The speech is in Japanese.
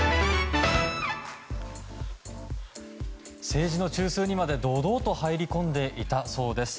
政治の中枢にまで堂々と入り込んでいたそうです。